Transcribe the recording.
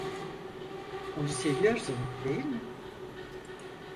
Onu seviyorsun, değil mi?